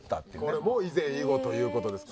これも以前以後という事ですね。